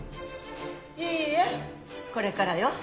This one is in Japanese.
いいえこれからよ。